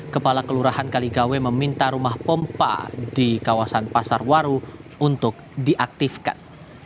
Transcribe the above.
kepala kelurahan kaligawe meminta rumah pompa di kawasan pasar waru untuk diaktifkan